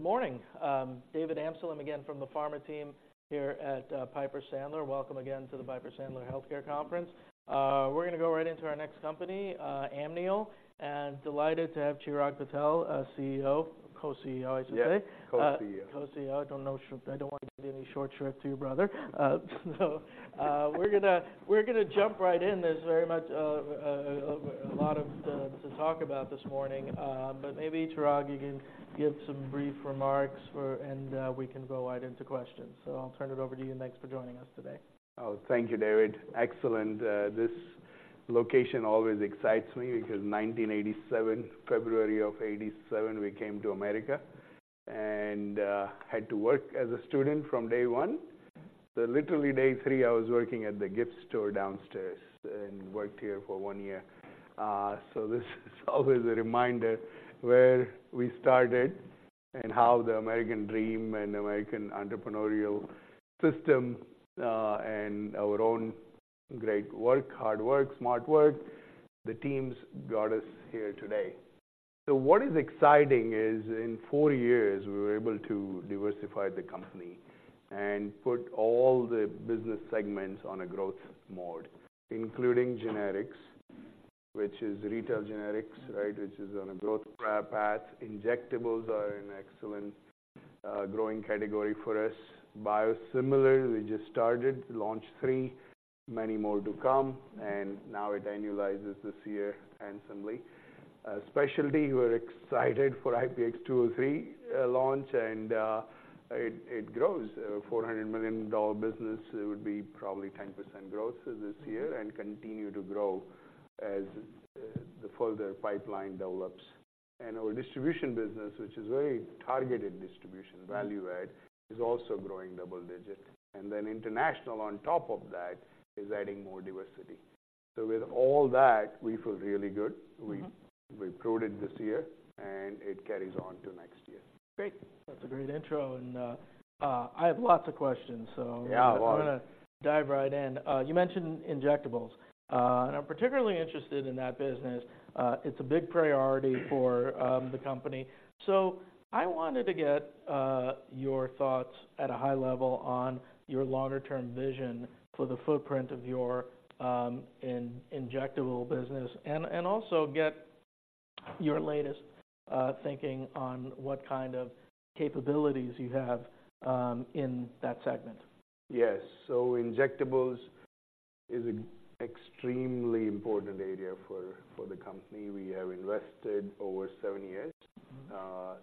Good morning, David Amsellem again from the pharma team here at Piper Sandler. Welcome again to the Piper Sandler Healthcare Conference. We're gonna go right into our next company, Amneal, and delighted to have Chirag Patel, CEO, co-CEO, I should say. Yeah, co-CEO. Co-CEO. I don't know, I don't want to do any short shrift to your brother. So, we're gonna jump right in. There's very much a lot of to talk about this morning, but maybe, Chirag, you can give some brief remarks and we can go right into questions. So I'll turn it over to you, and thanks for joining us today. Oh, thank you, David. Excellent. This location always excites me because 1987, February of 1987, we came to America and had to work as a student from day one. So literally day three, I was working at the gift store downstairs and worked here for one year. So this is always a reminder where we started and how the American dream and American entrepreneurial system and our own great work, hard work, smart work, the teams got us here today. So what is exciting is, in four years, we were able to diversify the company and put all the business segments on a growth mode, including generics, which is retail generics, right? Which is on a growth path. Injectables are an excellent growing category for us. Biosimilar, we just started, launched three, many more to come, and now it annualizes this year handsomely. Specialty, we're excited for IPX203 launch, and it grows. $400 million business, it would be probably 10% growth this year and continue to grow as the further pipeline develops. And our distribution business, which is very targeted distribution, value add, is also growing double digits. And then international, on top of that, is adding more diversity. So with all that, we feel really good. Mm-hmm. We proved it this year, and it carries on to next year. Great. That's a great intro, and, I have lots of questions, so- Yeah, well. I'm gonna dive right in. You mentioned injectables, and I'm particularly interested in that business. It's a big priority for the company. I wanted to get your thoughts at a high level on your longer-term vision for the footprint of your injectable business, and also get your latest thinking on what kind of capabilities you have in that segment. Yes. So injectables is an extremely important area for the company. We have invested over 7 years. Mm-hmm.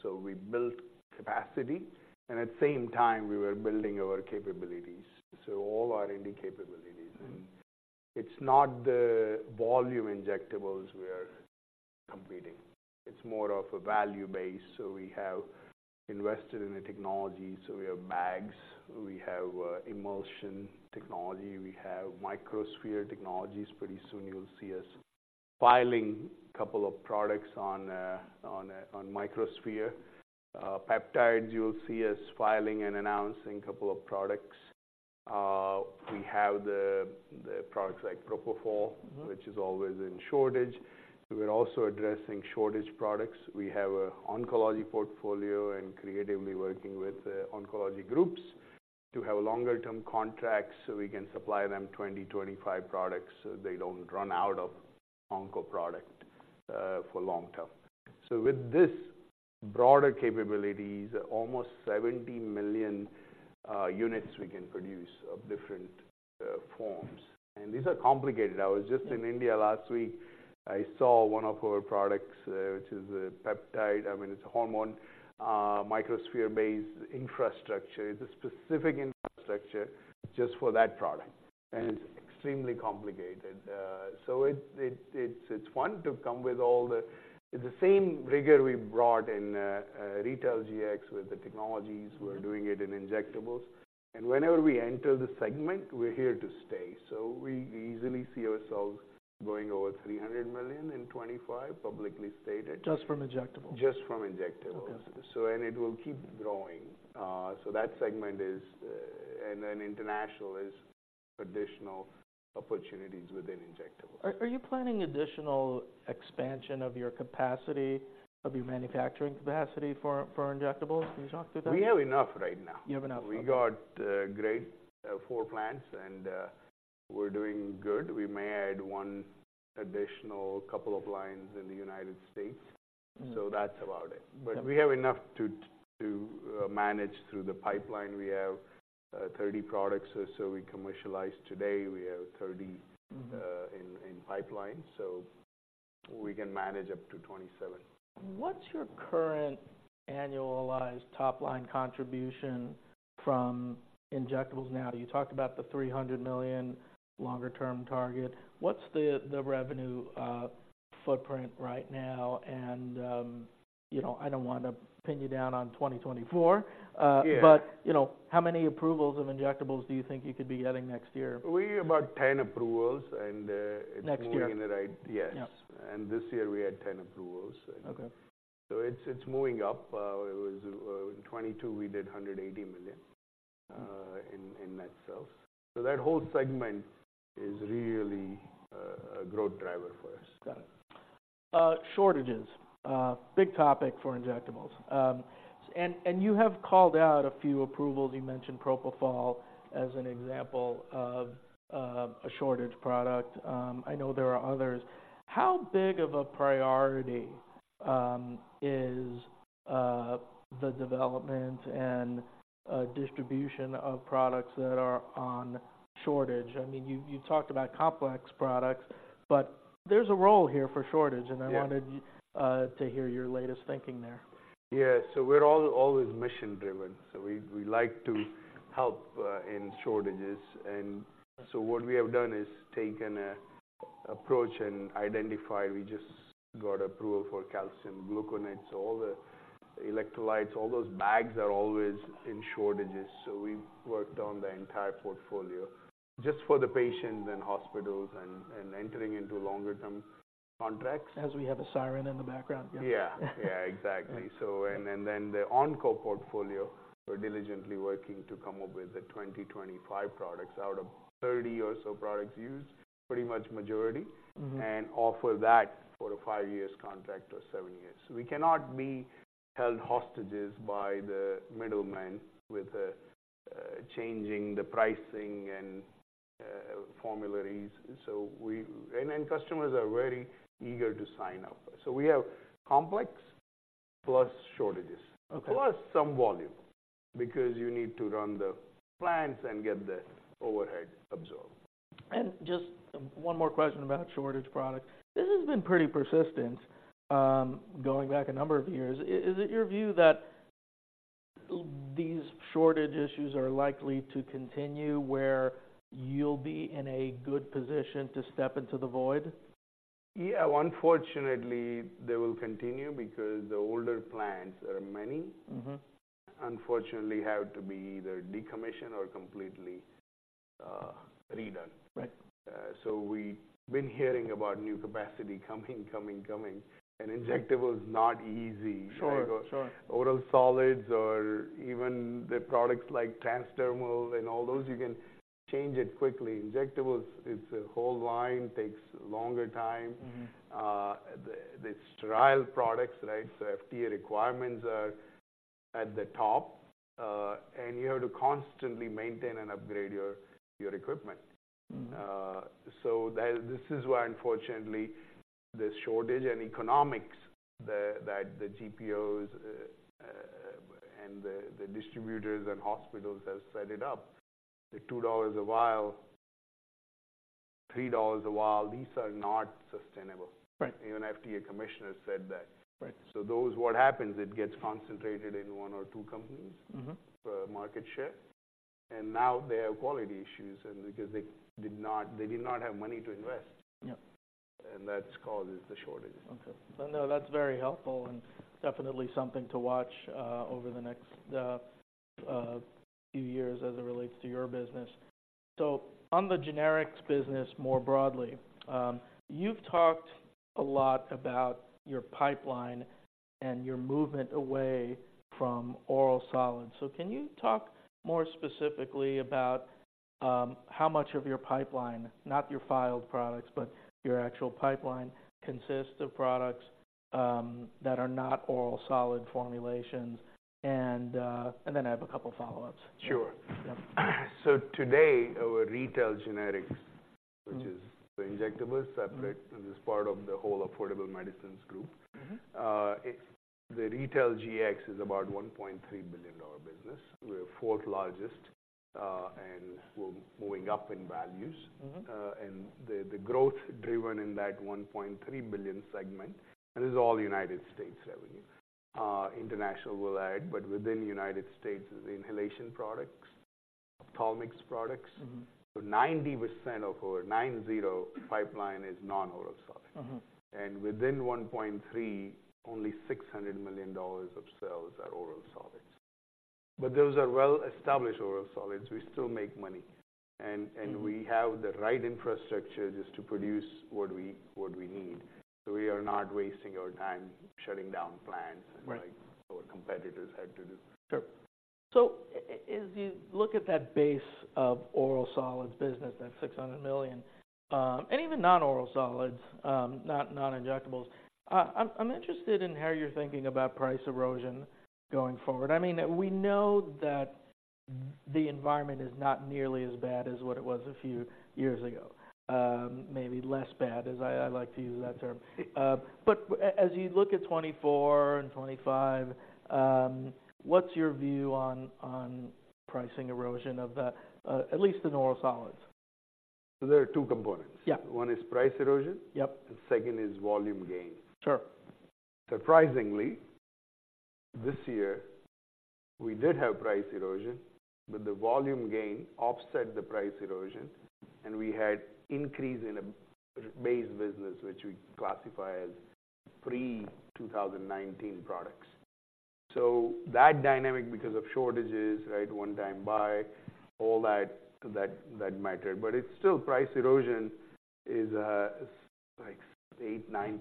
So we built capacity, and at the same time, we were building our capabilities, so all our India capabilities. Mm-hmm. It's not the volume injectables we are competing. It's more of a value base, so we have invested in the technology. So we have bags, we have, emulsion technology, we have microsphere technologies. Pretty soon you'll see us filing a couple of products on microsphere. Peptides, you'll see us filing and announcing a couple of products. We have the products like propofol- Mm-hmm. - which is always in shortage. We're also addressing shortage products. We have an oncology portfolio and creatively working with oncology groups to have longer-term contracts, so we can supply them 20-25 products, so they don't run out of onco product for long term. So with this broader capabilities, almost 70 million units we can produce of different forms, and these are complicated. I was just in India last week. I saw one of our products, which is a peptide. I mean, it's a hormone microsphere-based infrastructure. It's a specific infrastructure just for that product, and it's extremely complicated. So it's fun to come with all the. It's the same rigor we brought in retail GX with the technologies. Mm-hmm. We're doing it in injectables, and whenever we enter the segment, we're here to stay. So we easily see ourselves going over $300 million in 2025, publicly stated. Just from injectables? Just from injectables. Okay. It will keep growing. So that segment is, and then international is additional opportunities within injectables. Are you planning additional expansion of your capacity, of your manufacturing capacity for injectables? Can you talk through that? We have enough right now. You have enough. Okay. We got great 4 plants, and we're doing good. We may add 1 additional couple of lines in the United States- Mm. That's about it. Okay. But we have enough to manage through the pipeline. We have 30 products or so we commercialize today. We have 30- Mm-hmm in pipeline, so we can manage up to 27. What's your current annualized top-line contribution from injectables now? You talked about the $300 million longer term target. What's the revenue footprint right now? And, you know, I don't want to pin you down on 2024, Yeah. But, you know, how many approvals of injectables do you think you could be getting next year? We about 10 approvals, and it's- Next year? Moving in the right. Yes. Yep. This year we had 10 approvals. Okay. So it's, it's moving up. It was 2022, we did $180 million in net sales. So that whole segment is really a growth driver for us. Got it. Shortages, big topic for injectables. And you have called out a few approvals. You mentioned propofol as an example of a shortage product. I know there are others. How big of a priority is the development and distribution of products that are on shortage? I mean, you talked about complex products, but there's a role here for shortage- Yeah. And I wanted to hear your latest thinking there. Yeah. So we're all always mission-driven, so we like to help in shortages. And so what we have done is taken an approach and identified. We just got approval for calcium gluconate, so all the electrolytes, all those bags are always in shortages. So we've worked on the entire portfolio just for the patients and hospitals and entering into longer-term contracts. As we have a siren in the background. Yeah. Yeah, exactly. So, and, and then the onco portfolio, we're diligently working to come up with the 2025 products out of 30 or so products used, pretty much majority. Mm-hmm. And offer that for a five-year contract or seven years. We cannot be held hostages by the middlemen with changing the pricing and formularies. So we and, and customers are very eager to sign up. So we have complex plus shortages- Okay. plus some volume, because you need to run the plants and get the overhead absorbed. Just one more question about shortage products. This has been pretty persistent, going back a number of years. Is it your view that these shortage issues are likely to continue, where you'll be in a good position to step into the void? Yeah, unfortunately, they will continue because the older plants, there are many- Mm-hmm. Unfortunately, have to be either decommissioned or completely redone. Right. So we've been hearing about new capacity coming, coming, coming, and injectable is not easy. Sure, sure. Oral solids or even the products like transdermal and all those, you can change it quickly. Injectables, it's a whole line, takes longer time. Mm-hmm. The sterile products, right, so FDA requirements are at the top, and you have to constantly maintain and upgrade your equipment. Mm-hmm. So that this is why, unfortunately, the shortage and economics that the GPOs and the distributors and hospitals have set it up. The $2 a vial, $3 a vial, these are not sustainable. Right. Even FDA commissioner said that. Right. So those, what happens, it gets concentrated in one or two companies- Mm-hmm for market share, and now they have quality issues because they did not have money to invest. Yep. That causes the shortage. Okay. So no, that's very helpful and definitely something to watch over the next few years as it relates to your business. So on the generics business, more broadly, you've talked a lot about your pipeline and your movement away from oral solids. So can you talk more specifically about how much of your pipeline, not your filed products, but your actual pipeline, consists of products that are not oral solid formulations? And then I have a couple follow-ups. Sure. Yep. So today, our retail generics- Mm-hmm which is the injectables, separate, and is part of the whole Affordable Medicines Group. Mm-hmm. It's the retail GX is about $1.3 billion business. We're fourth largest, and we're moving up in values. Mm-hmm. and the growth driven in that $1.3 billion segment, and this is all United States revenue. International will add, but within United States, the inhalation products, ophthalmics products- Mm-hmm. So 90% of our, 90, pipeline is non-oral solids. Mm-hmm. Within 1.3, only $600 million of sales are oral solids. But those are well-established oral solids. We still make money, and- Mm-hmm And we have the right infrastructure just to produce what we need. So we are not wasting our time shutting down plants- Right like our competitors had to do. Sure. So as you look at that base of oral solids business, that's $600 million, and even non-oral solids, non-injectables, I'm interested in how you're thinking about price erosion going forward. I mean, we know that the environment is not nearly as bad as what it was a few years ago. Maybe less bad, as I like to use that term. But as you look at 2024 and 2025, what's your view on pricing erosion of the at least in the oral solids? There are two components. Yeah. One is price erosion. Yep. The second is volume gain. Sure. Surprisingly, this year, we did have price erosion, but the volume gain offset the price erosion, and we had increase in a base business, which we classify as pre-2019 products. So that dynamic, because of shortages, right, one-time buy, all that matter. But it's still price erosion is, like 8%-9%,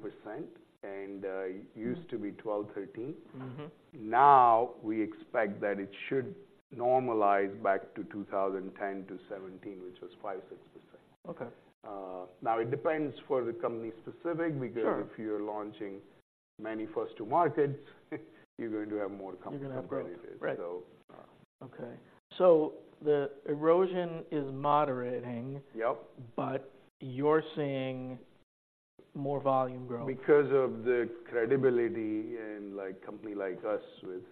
and it used to be 12-13. Mm-hmm. Now, we expect that it should normalize back to 2010-2017, which was 5%-6%. Okay. Now it depends for the company specific- Sure. Because if you're launching many first to markets, you're going to have more competition. You're gonna have growth. So, uh- Okay. So the erosion is moderating- Yep. But you're seeing more volume growth? Because of the credibility and like company like us with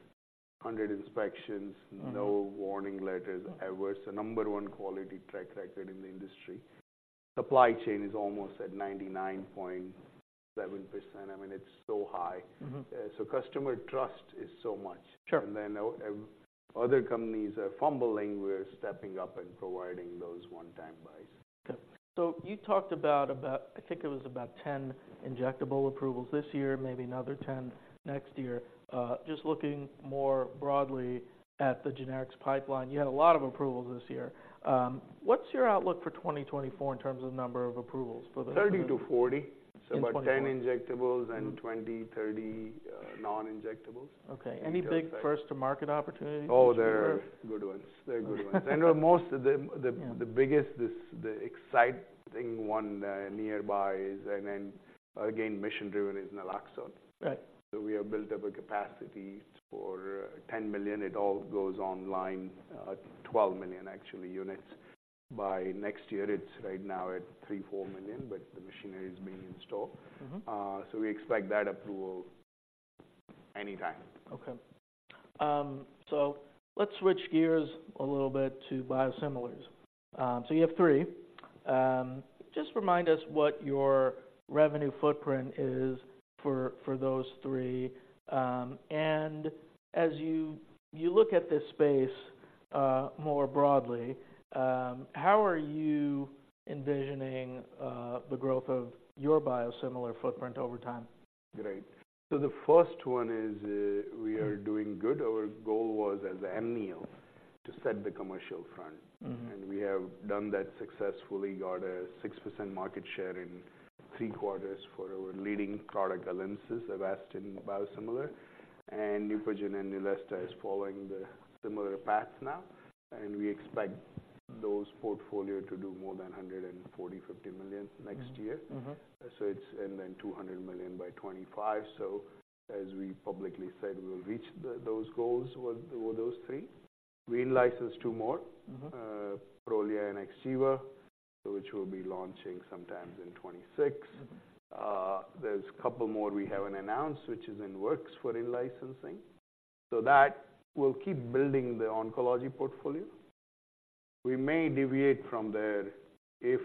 100 inspections- Mm-hmm. No warning letters ever. So number one quality track record in the industry. Supply chain is almost at 99.7%. I mean, it's so high. Mm-hmm. Customer trust is so much. Sure. And then, other companies are fumbling, we're stepping up and providing those one-time buys. Okay. So you talked about I think it was about 10 injectable approvals this year, maybe another 10 next year. Just looking more broadly at the generics pipeline, you had a lot of approvals this year. What's your outlook for 2024 in terms of number of approvals for the- 30 to 40. In twenty- About 10 injectables- Mm. -and 20, 30 non-injectables. Okay. In terms of- Any big first to market opportunities? Oh, they're good ones. They're good ones. And most of them. Yeah. Biggest, this, the exciting one nearby is, and then again, mission-driven is Naloxone. Right. We have built up a capacity for 10 million. It all goes online, 12 million, actually, units by next year. It's right now at 3-4 million, but the machinery is being installed. Mm-hmm. We expect that approval anytime. Okay. So let's switch gears a little bit to biosimilars. So you have three. Just remind us what your revenue footprint is for, for those three. And as you, you look at this space, more broadly, how are you envisioning, the growth of your biosimilar footprint over time? Great. So the first one is, we are doing good. Our goal was, as Amneal, to set the commercial front. Mm-hmm. We have done that successfully, got a 6% market share in three quarters for our leading product, ALYMSYS, Avastin biosimilar, and Neupogen and Neulasta is following the similar paths now, and we expect those portfolio to do more than $140-$150 million next year. Mm-hmm. And then $200 million by 2025. So as we publicly said, we will reach those goals with those three. We in-licensed two more. Mm-hmm. Perolea and Nexiva, which we'll be launching sometime in 2026. There's a couple more we haven't announced, which is in works for in-licensing. So that will keep building the oncology portfolio. We may deviate from there if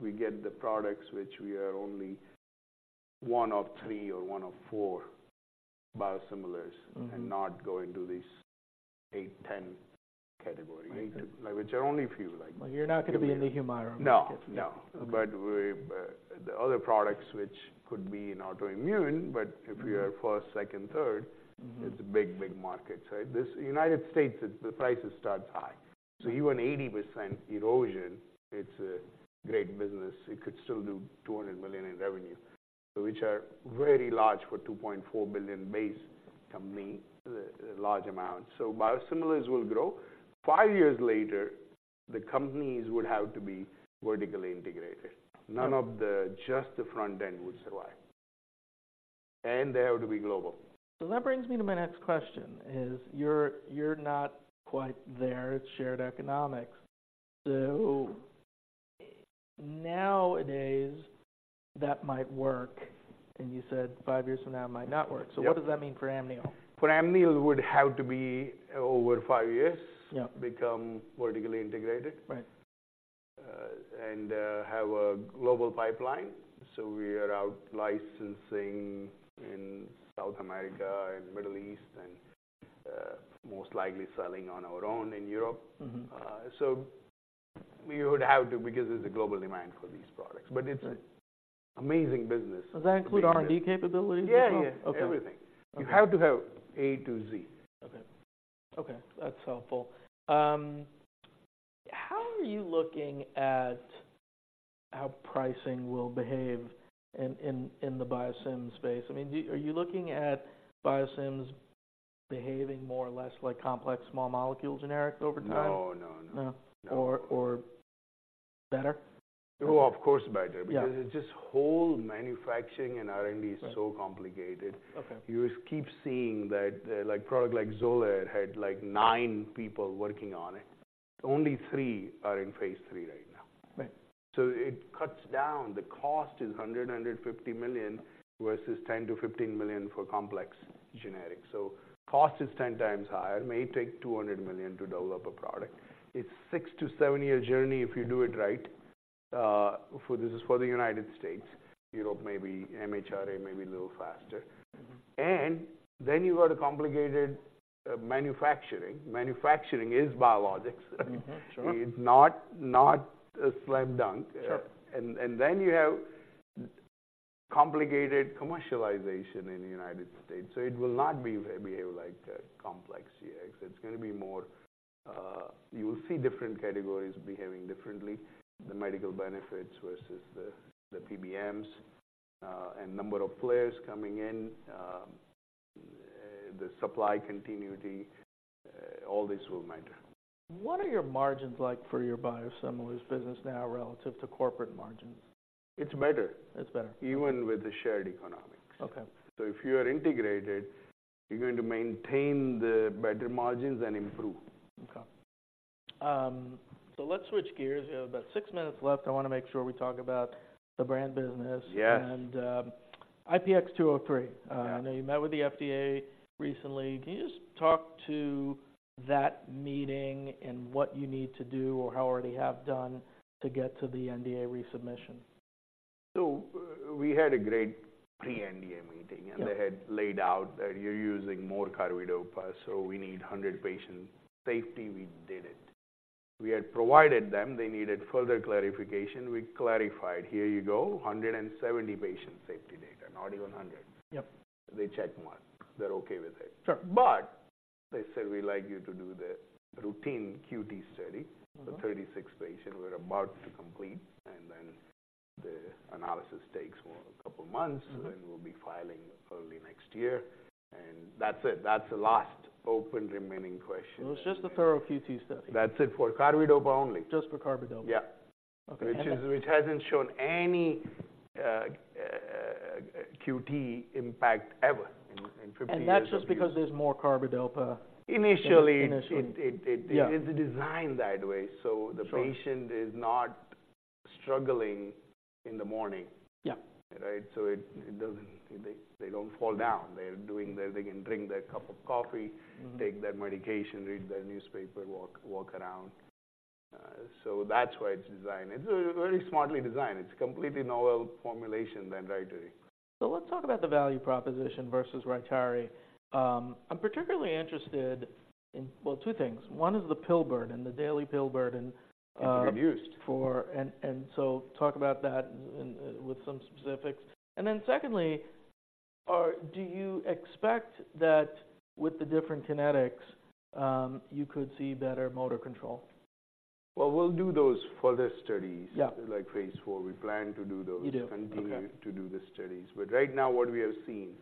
we get the products, which we are only one of three or one of four biosimilars- Mm-hmm and not go into these 8, 10 category. Right. Which are only a few, like- You're not gonna be in the Humira market. No, no. Okay. But we, the other products which could be in autoimmune, but- Mm-hmm If we are first, second, third. Mm-hmm It's a big, big market. So this United States, the prices start high. Mm-hmm. Even 80% erosion, it's a great business. It could still do $200 million in revenue, so which are very large for $2.4 billion base company, large amount. Biosimilars will grow. Five years later, the companies would have to be vertically integrated. Right. None of the, just the front end would survive. They have to be global. So that brings me to my next question, you're not quite there. It's shared economics. So nowadays, that might work, and you said five years from now, it might not work. Yep. So what does that mean for Amneal? For Amneal, would have to be over 5 years- Yep Become vertically integrated. Right. have a global pipeline. So we are out-licensing in South America and Middle East and most likely selling on our own in Europe. Mm-hmm. So we would have to because there's a global demand for these products. Right But it's amazing business. Does that include R&D capabilities as well? Yeah, yeah. Okay. Everything. Okay. You have to have A to Z. Okay. Okay, that's helpful. How are you looking at how pricing will behave in the biosim space? I mean, are you looking at biosims behaving more or less like complex small molecule generics over time? No, no, no. No? No. Or, or better? Oh, of course, better- Yeah Because it's just whole manufacturing and R&D- Right. Is so complicated. Okay. You keep seeing that, like, product like ZOLED had, like, nine people working on it. Only three are in phase three right now. Right. It cuts down. The cost is $150 million versus $10-$15 million for complex generics. So cost is 10 times higher, may take $200 million to develop a product. It's a 6-7-year journey if you do it right, this is for the United States. Europe, maybe MHRA may be a little faster. Mm-hmm. And then you've got a complicated manufacturing. Manufacturing is biologics. Mm-hmm. Sure. It's not a slam dunk. Sure. And then you have complicated commercialization in the United States, so it will not behave like complex CX. It's gonna be more, you will see different categories behaving differently. The medical benefits versus the PBMs, and number of players coming in, the supply continuity, all this will matter. What are your margins like for your biosimilars business now relative to corporate margins? It's better. It's better. Even with the shared economics. Okay. If you are integrated, you're going to maintain the better margins and improve. Okay. So let's switch gears. We have about six minutes left. I wanna make sure we talk about the brand business. Yes. IPX203. Yeah. I know you met with the FDA recently. Can you just talk to that meeting and what you need to do or how already have done to get to the NDA resubmission? So we had a great pre-NDA meeting- Yeah. And they had laid out that you're using more carbidopa, so we need 100 patient safety. We did it. We had provided them. They needed further clarification. We clarified, "Here you go, 170 patient safety data, not even 100. Yep. They checkmarked. They're okay with it. Sure. But they said, "We'd like you to do the routine QT study- Okay. -for 36 patients." We're about to complete, and then the analysis takes more a couple of months. Mm-hmm. We'll be filing early next year, and that's it. That's the last open remaining question. So it's just a thorough QT study. That's it, for carbidopa only. Just for carbidopa? Yeah. Okay. Which hasn't shown any QT impact ever in 50 years- That's just because there's more carbidopa- Initially- Initially. Yeah. It's designed that way, so- Sure. The patient is not struggling in the morning. Yeah. Right? So it doesn't, they don't fall down. They're doing their they can drink their cup of coffee- Mm-hmm. Take their medication, read their newspaper, walk, walk around. So that's why it's designed. It's very smartly designed. It's completely novel formulation than RYTARY. So let's talk about the value proposition versus RYTARY. I'm particularly interested in, well, two things. One is the pill burden, the daily pill burden, It's abused. So talk about that with some specifics. And then secondly, do you expect that with the different kinetics, you could see better motor control? Well, we'll do those further studies- Yeah. Like phase IV. We plan to do those- You do. Okay. Continue to do the studies. But right now, what we have seen,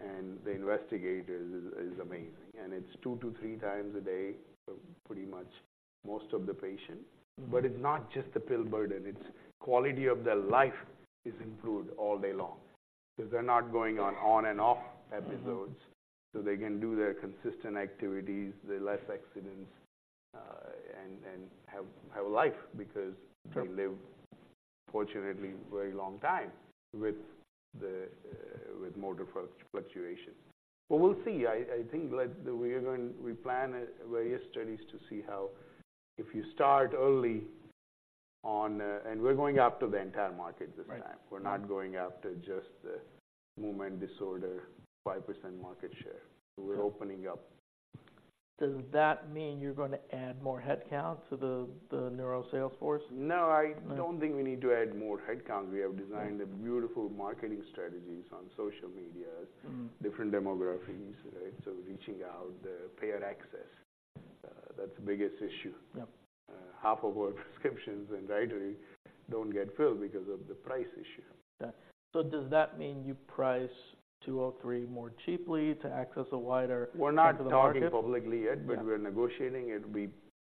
and the investigators, is amazing, and it's 2-3 times a day for pretty much most of the patients. Mm-hmm. But it's not just the pill burden, it's quality of their life is improved all day long because they're not going on and off episodes. Mm-hmm. So they can do their consistent activities, they're less accidents, and have a life because- Sure. They live fortunately very long time with the, with motor fluctuation. But we'll see. I think like we are going—we plan various studies to see how if you start early on and we're going after the entire market this time. Right. We're not going after just the movement disorder, 5% market share. Sure. We're opening up. Does that mean you're gonna add more headcount to the neuro sales force? No, I don't think we need to add more headcount. We have designed beautiful marketing strategies on social medias- Mm-hmm. Different demographics, right? So reaching out, the payer access, that's the biggest issue. Yep. Half of our prescriptions in RYTARY don't get filled because of the price issue. Okay. Does that mean you price 203 more cheaply to access a wider part of the market? We're not talking publicly yet- Yeah. But we're negotiating. It will be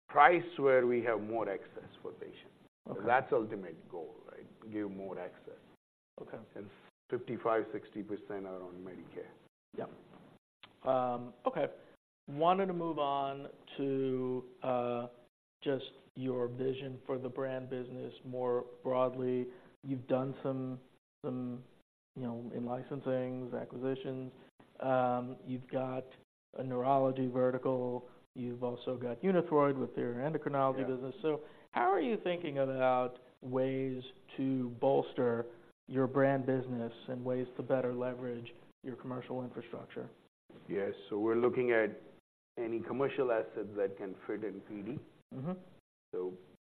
priced where we have more access for patients. Okay. That's the ultimate goal, right? Give more access. Okay. 55%-60% are on Medicare. Yeah. Okay. Wanted to move on to just your vision for the brand business more broadly. You've done some, you know, in licensings, acquisitions. You've got a neurology vertical. You've also got Unithroid with your endocrinology business. Yeah. How are you thinking about ways to bolster your brand business and ways to better leverage your commercial infrastructure? Yes. So we're looking at any commercial assets that can fit in PD. Mm-hmm.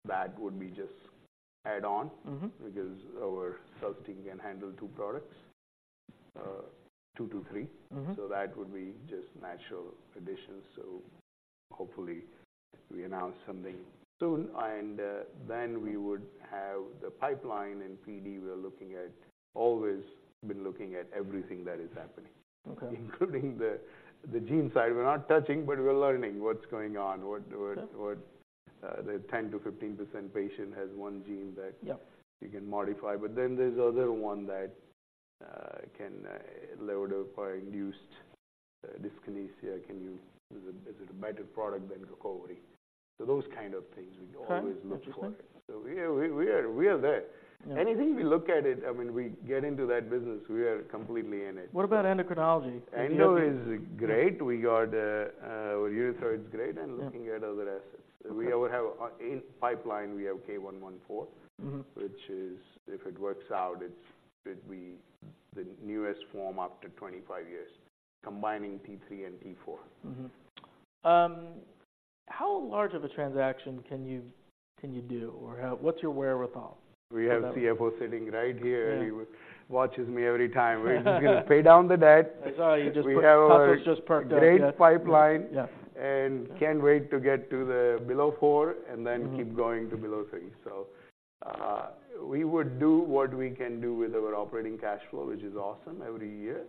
That would be just add on- Mm-hmm. Because our sales team can handle 2 products, 2-3. Mm-hmm. So that would be just natural additions. So hopefully, we announce something soon, and then we would have the pipeline. In PD, we are looking at, always been looking at everything that is happening- Okay. Including the gene side. We're not touching, but we're learning what's going on. Okay. The 10%-15% patient has one gene that- Yep. You can modify. But then there's the other one that can levodopa-induced dyskinesia. Can you—is it, is it a better product than Gocovri? So those kind of things we always look for. Okay. Interesting. So we are there. Yeah. Anything we look at it, I mean, we get into that business, we are completely in it. What about endocrinology? Endo is great. We got Unithroid is great- Yeah. And looking at other assets. Okay. We already have, in pipeline, we have K114- Mm-hmm. Which is, if it works out, it could be the newest form after 25 years, combining T3 and T4. Mm-hmm. How large of a transaction can you do, or what's your wherewithal? We have CFO sitting right here. Yeah. He watches me every time. We're just gonna pay down the debt. I saw you just put couples just parked out. We have a great pipeline- Yes And can't wait to get to the below 4- Mm-hmm. And then keep going to below three. So, we would do what we can do with our operating cash flow, which is awesome, every year,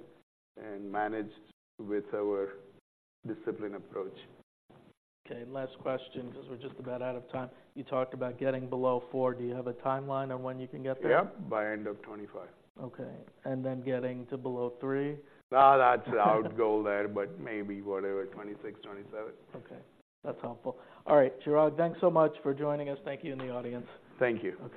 and manage with our discipline approach. Okay, last question, because we're just about out of time. You talked about getting below 4. Do you have a timeline on when you can get there? Yep, by end of 2025. Okay, and then getting to below three? That's our goal there, but maybe whatever, 26, 27. Okay. That's helpful. All right, Chirag, thanks so much for joining us. Thank you in the audience. Thank you. Okay.